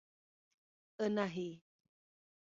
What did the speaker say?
Anahy